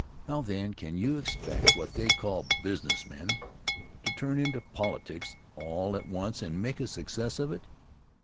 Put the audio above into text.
How, then, can you expect what they call "business men" to turn into politics all at once and make a success of it?